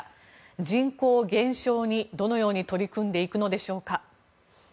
人口減少にどのように取り組んでいくのでしょうか。